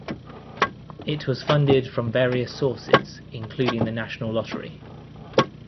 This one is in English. It was funded from various sources including the National Lottery.